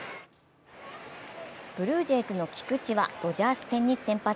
ブルージェイズの菊池はドジャース戦に先発。